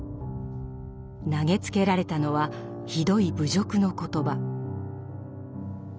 投げつけられたのはひどい侮辱の言葉。